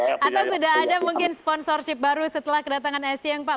atau sudah ada mungkin sponsorship baru setelah kedatangan essie yang pak